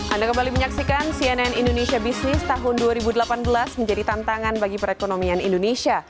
anda kembali menyaksikan cnn indonesia business tahun dua ribu delapan belas menjadi tantangan bagi perekonomian indonesia